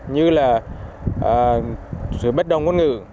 như là sự bất đồng ngôn ngữ